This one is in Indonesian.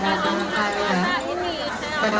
pada tempat tempat yang berlaku ini